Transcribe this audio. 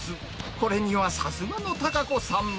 これにはさすがの孝子さんも。